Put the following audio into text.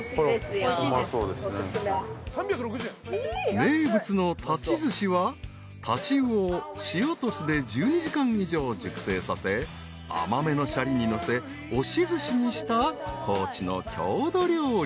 ［名物のたちずしはタチウオを塩と酢で１２時間以上熟成させ甘めのしゃりにのせ押しずしにした高知の郷土料理］